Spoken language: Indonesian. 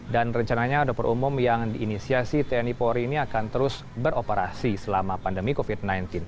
dan rencananya dapur umum yang diinisiasi tni polri ini akan terus beroperasi selama pandemi covid sembilan belas